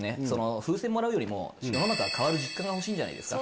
風船もらうよりも世の中が変わる実感が欲しいんじゃないですか？